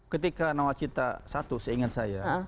ketika nawal cita i seingat saya